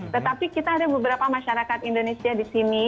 tetapi kita ada beberapa masyarakat indonesia di sini